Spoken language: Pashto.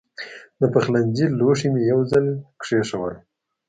د پخلنځي لوښي مې یو ځای کېښودل.